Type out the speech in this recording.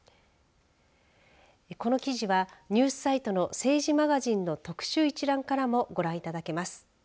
この記事はニュースサイトの政治マガジンの特集一覧からもご覧いただけます。